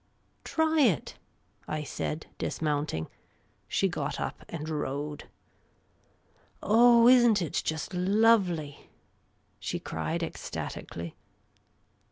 Try it !" I said, dismounting. She got up and rode. " Oh, is n't it just lovely !" she cried ecstatically.